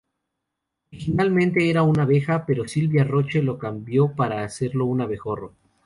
Originalmente era una abeja pero Silvia Roche lo cambió para hacerlo un abejorro.